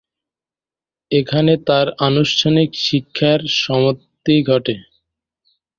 এখানেই তার আনুষ্ঠানিক শিক্ষার সমাপ্তি ঘটে।